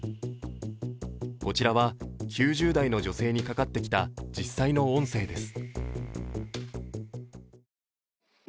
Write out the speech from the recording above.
こちらは９０代の女性にかかってきた実際の音声です。